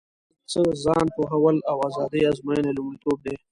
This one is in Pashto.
په هر څه ځان پوهول او ازادي ازموینه یې لومړیتوب دی.